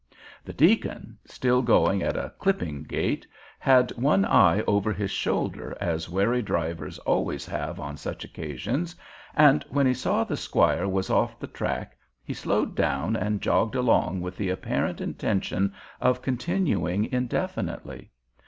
The deacon, still going at a clipping gait, had one eye over his shoulder as wary drivers always have on such occasions, and when he saw the squire was off the track he slowed down and jogged along with the apparent intention of continuing indefinitely.